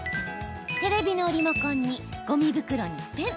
テレビのリモコンにごみ袋に、ペン。